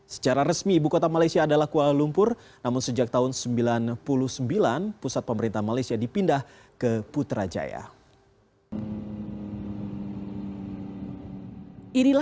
secara resmi ibu kota malaysia adalah kuala lumpur namun sejak tahun seribu sembilan ratus sembilan puluh sembilan pusat pemerintah malaysia dipindah ke putrajaya